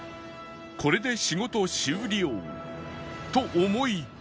これで仕事終了と思いきや